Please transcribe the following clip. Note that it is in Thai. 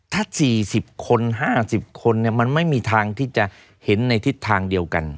ถ้า๔๐คน๕๐คนมันไม่มีทางที่จะเห็นในทิศทางเดียวกัน